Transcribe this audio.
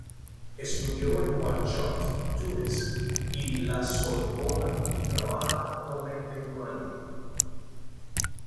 Estudió en Nuakchot, Túnez y la Sorbona y trabajaba actualmente en Malí.